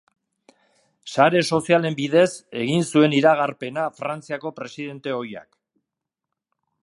Sare sozialen bidez egin zuen iragarpena Frantziako presidente ohiak.